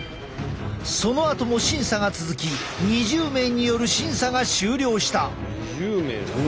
そのあとも審査が続き２０名による審査が終了した。